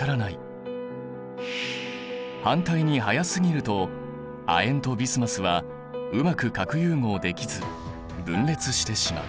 反対に速すぎると亜鉛とビスマスはうまく核融合できず分裂してしまう。